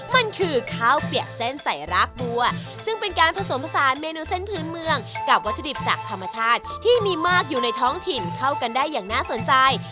มันคือข้าวเปียกเส้นใส่รากบัวซึ่งเป็นการผสมผสานเมนูเส้นพื้นเมืองกับวัตถุดิบจากธรรมชาติที่มีมากอยู่ในท้องถิ่นเข้ากันได้อย่างน่าสนใจ